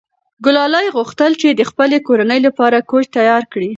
ګلالۍ غوښتل چې د خپلې کورنۍ لپاره کوچ تیار کړي.